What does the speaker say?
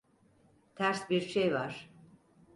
Ters bir şey var.